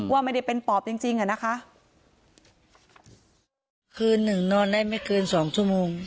ว่าไม่ได้เป็นปอบจริงจริงอ่ะนะคะคืนหนึ่งนอนได้ไม่เกินสองชั่วโมง